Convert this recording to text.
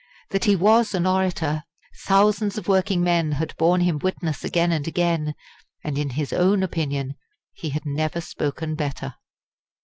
That he was an orator thousands of working men had borne him witness again and again; and in his own opinion he had never spoken better.